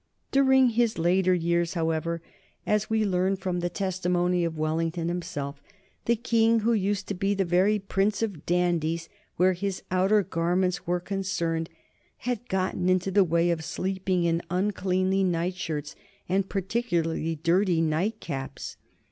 During his later years, however, as we learn from the testimony of Wellington himself, the King, who used to be the very prince of dandies where his outer garments were concerned, had got into the way of sleeping in uncleanly nightshirts and particularly dirty night caps.